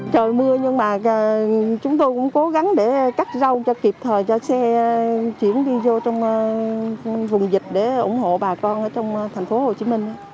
trời mưa nhưng mà chúng tôi cũng cố gắng để cắt rau cho kịp thời cho xe chuyển viên vô trong vùng dịch để ủng hộ bà con ở trong thành phố hồ chí minh